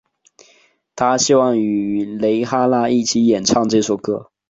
她希望与蕾哈娜一起演唱这首歌。